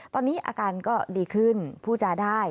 ตอนนี้อาการก็ดีขึ้นผู้จาได้